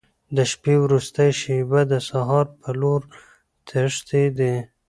د شپې وروستۍ شېبې د سهار په لور تښتېدې.